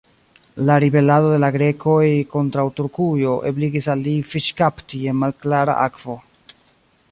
La ribelado de la Grekoj kontraŭ Turkujo ebligis al li fiŝkapti en malklara akvo.